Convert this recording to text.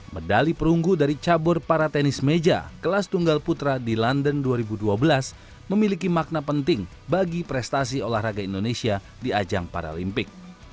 medali perunggu dari cabur para tenis meja kelas tunggal putra di london dua ribu dua belas memiliki makna penting bagi prestasi olahraga indonesia di ajang paralimpik